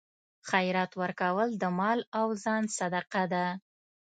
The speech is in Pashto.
خیرات ورکول د مال او ځان صدقه ده.